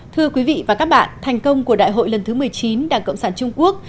thưa quý vị và các bạn thành công của đại hội lần thứ một mươi chín đảng cộng sản trung quốc